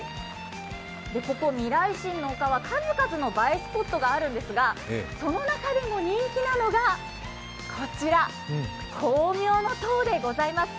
ここ未来心の丘は数々の映えスポットがあるんですがその中でも人気なのが、こちら、光明の塔でございます。